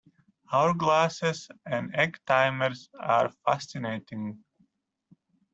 Hourglasses and egg timers are fascinating.